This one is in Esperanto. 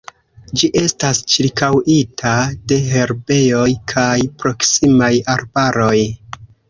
Ĝi estas ĉirkaŭita de herbejoj kaj proksimaj arbaroj.